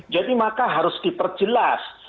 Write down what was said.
jadi maka harus diperjelas